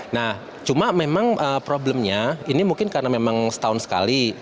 nah cuma memang problemnya ini mungkin karena memang setahun sekali